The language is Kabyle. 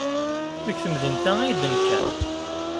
Deg temdint-a ay d-yenker.